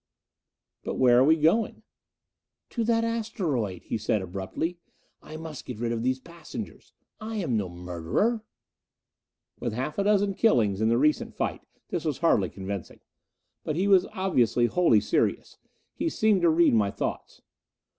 "But where are we going?" "To that asteroid," he said abruptly. "I must get rid of these passengers. I am no murderer." With half a dozen killings in the recent fight this was hardly convincing. But he was obviously wholly serious. He seemed to read my thoughts.